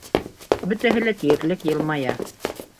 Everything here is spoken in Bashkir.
—Бөтәһе лә тиерлек йылмая.